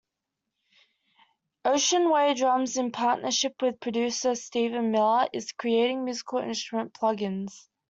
Ocean Way Drums, in partnership with producer Steven Miller, is creating musical instrument plugins.